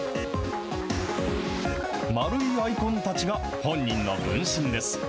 丸いアイコンたちが本人の分身です。